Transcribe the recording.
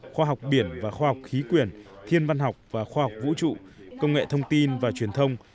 khoa học biển và khoa học khí quyển thiên văn học và khoa học vũ trụ công nghệ thông tin và truyền thông